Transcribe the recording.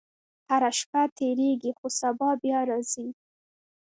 • هره شپه تېرېږي، خو سبا بیا راځي.